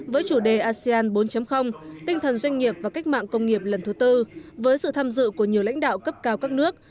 với chủ đề asean bốn tinh thần doanh nghiệp và cách mạng công nghiệp lần thứ tư với sự tham dự của nhiều lãnh đạo cấp cao các nước